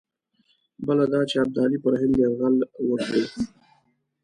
بله دا چې ابدالي پر هند یرغل وکړي.